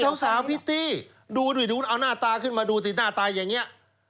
สาวพิตตี้ดูด้วยดูเอาหน้าตาขึ้นมาดูสิหน้าตาอย่างนี้